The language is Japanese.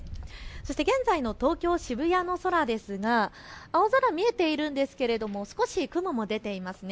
そして現在の東京渋谷の空ですが青空見えているんですけれども少し雲も出ています。